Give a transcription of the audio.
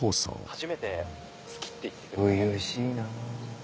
初々しいな。